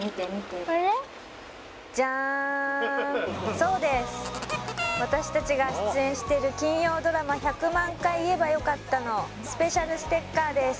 そうです私達が出演してる金曜ドラマ「１００万回言えばよかった」のスペシャルステッカーです